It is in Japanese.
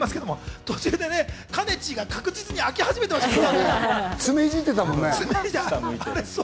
途中でかねちーが確実に飽き始めてましたよね。